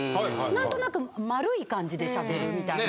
何となく丸い感じで喋るみたいな。